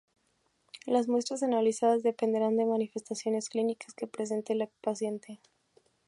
Las muestras analizadas dependerán de las manifestaciones clínicas que presente el paciente.